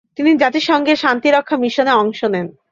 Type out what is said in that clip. তিনি জাতিসংঘের শান্তিরক্ষা মিশনে অংশ নেন।